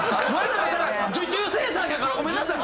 受注生産やからごめんなさい。